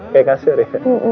kayak kasur ya